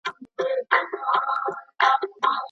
ولي زیارکښ کس د مستحق سړي په پرتله موخي ترلاسه کوي؟